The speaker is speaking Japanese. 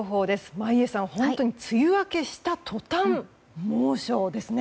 眞家さん本当に梅雨明けした途端猛暑ですね。